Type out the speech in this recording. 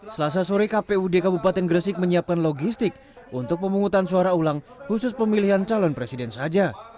selasa sore kpud kabupaten gresik menyiapkan logistik untuk pemungutan suara ulang khusus pemilihan calon presiden saja